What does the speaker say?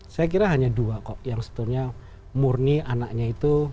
saya kira hanya dua kok yang sebetulnya murni anaknya itu